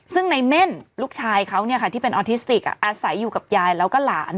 ซึ่งในเม่นลูกชายเขาที่เป็นออทิสติกอาศัยอยู่กับยายแล้วก็หลาน